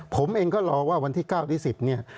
ผมเองก็รอว่าวันที่๙และ๑๐